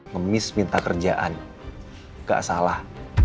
ngemis minta kerjaan gak salah